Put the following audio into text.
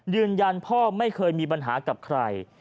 ยืนยันพ่อไม่เคยมีปัญหากับใคร